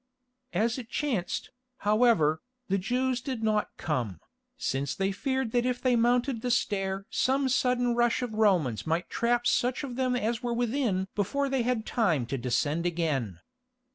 As it chanced, however, the Jews did not come, since they feared that if they mounted the stair some sudden rush of Romans might trap such of them as were within before they had time to descend again.